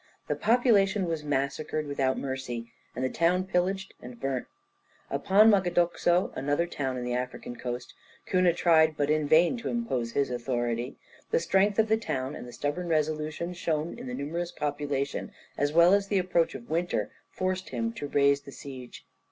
The population was massacred without mercy, and the town pillaged and burnt. Upon Magadoxo, another town on the African Coast, Cunha tried but in vain, to impose his authority. The strength of the town and the stubborn resolution shown by the numerous population as well as the approach of winter forced him to raise the siege.